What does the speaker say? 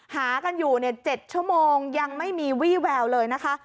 หากันอยู่๗ชั่วโมงยังไม่มีวี่แววเลยนะคะ